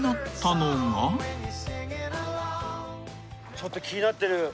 ちょっと気になってる。